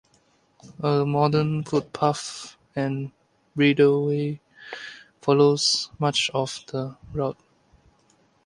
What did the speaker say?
A modern footpath and bridleway follows much of the route.